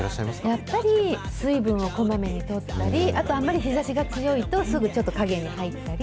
やっぱり、水分をこまめにとったり、あとは、あんまり日ざしが強いと、すぐ、ちょっと陰に入ったり。